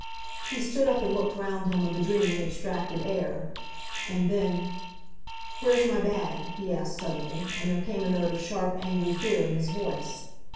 He stood up and looked round him with a dreamy, abstracted air. And then, "Where's my bag?" he asked suddenly, and there came a note of sharp, angry fear in his voice.